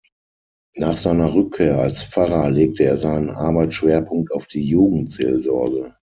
Nach seiner Rückkehr als Pfarrer legte er seinen Arbeitsschwerpunkt auf die Jugendseelsorge.